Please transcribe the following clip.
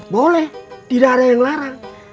boleh tidak ada yang larang